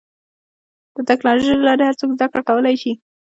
د ټکنالوجۍ له لارې هر څوک زدهکړه کولی شي.